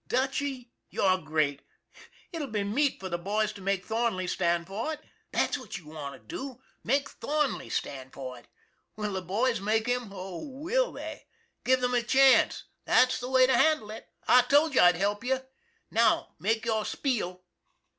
" Dutchy, you're great ! It'll be meat for the boys to make Thornley stand for it. That's what you want to do make Thornley stand 304 ON THE IRON AT BIG CLOUD for it. Will the boys make him? Oh, will they! Give them the chance. That's the way to handle it. I told you I'd help you. Now, make your spiel."